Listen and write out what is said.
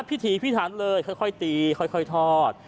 พิธีพิถันเลยค่อยตีค่อยทอด